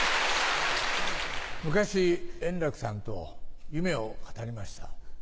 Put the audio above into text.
昔円楽さんと夢を語りました。